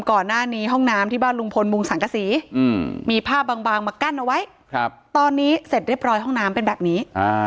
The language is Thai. ก่อนหน้านี้ห้องน้ำที่บ้านลุงพลมุงสังกษีมีผ้าบางมากั้นเอาไว้ตอนนี้เสร็จเรียบร้อยห้องน้ำเป็นแบบนี้